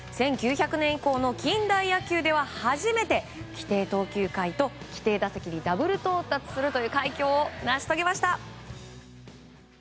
１９００年以降の近代野球では初めて規定投球回と規定打席にダブル到達するという快挙を成し遂げました。